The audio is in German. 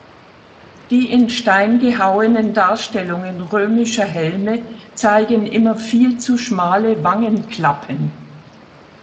Die in Stein gehauenen Darstellungen römischer Helme zeigen immer viel zu schmale Wangenklappen.